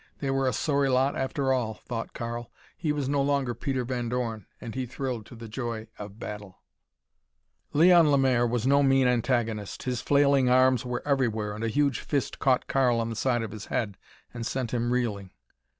They were a sorry lot after all, thought Karl. He was no longer Peter Van Dorn, and he thrilled to the joy of battle. Leon Lemaire was no mean antagonist. His flailing arms were everywhere and a huge fist caught Karl on the side of his head and sent him reeling.